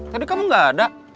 tadi kamu gak ada